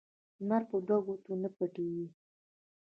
لمر په دوو ګوتو نه پټیږي